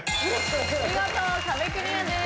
見事壁クリアです。